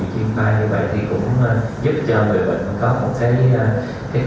và đây là cái cuộc sống cho người bệnh